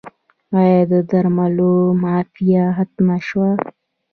آیا د درملو مافیا ختمه شوه؟